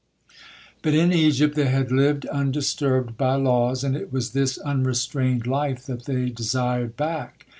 But in Egypt they had lived undisturbed by laws, and it was this unrestrained life that they desired back.